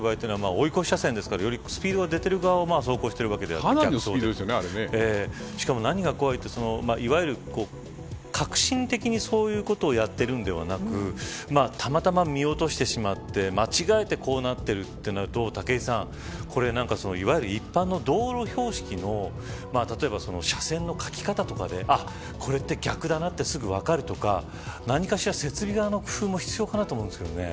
追い越し車線ですからよりスピードが出ている側を走行しているわけであってしかも何が怖いって確信的にそういうことをやっているのではなくたまたま見落としてしまって間違えてこうなっているとなると武井さん、これ一般のいわゆる道路標識の例えば車線の描き方とかでこれって逆だなってすぐ分かるとか何かしら、設備側の工夫も必要かと思うんですけどね。